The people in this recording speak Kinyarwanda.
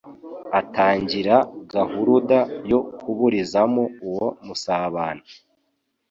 Atangira gahuruda yo kuburizamo uwo musabano.